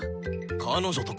彼女とか。